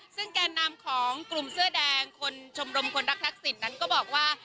ซึ่งแก่นำของกลุ่มเสื้อแดงคนชมรมคนรักทักษิณนั้นก็บอกว่า